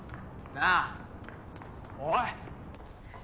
なあおい！